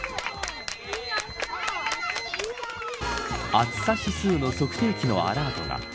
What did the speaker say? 暑さ指数の測定器のアラートが。